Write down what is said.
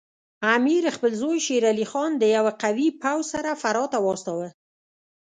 امیر خپل زوی شیر علي خان د یوه قوي پوځ سره فراه ته واستاوه.